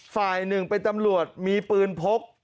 ฝ่ายหนึ่งเป็นตำรวจมีปืนพก